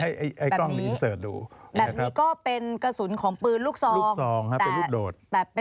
แบบนี้ก็เป็นกระสุนของปืนลูกสองเป็นลูกโดด